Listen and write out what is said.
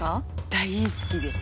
大好きです。